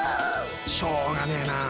しょうがねえなあ。